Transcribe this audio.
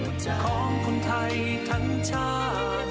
ใจของคนไทยทั้งชาติ